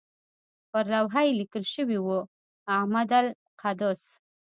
پر لوحه یې لیکل شوي وو اعمده القدس.